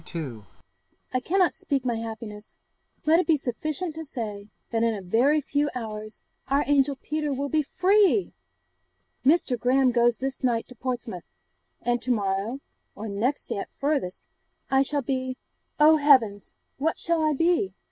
I cannot speak my happiness; let it be sufficient to say, that in a very few hours our angel Peter will be FREE! Mr. Graham goes this night to Portsmouth, and to morrow, or next day at farthest, I shall be oh, heavens! what shall I be?